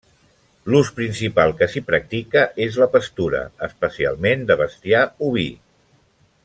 L'ús principal que s'hi practica és la pastura, especialment de bestiar oví.